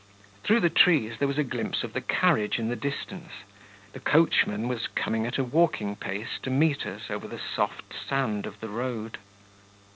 Through the trees there was a glimpse of the carriage in the distance; the coachman was coming at a walking pace to meet us over the soft sand of the road.